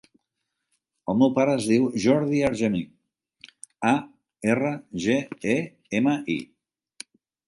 El meu pare es diu Jordi Argemi: a, erra, ge, e, ema, i.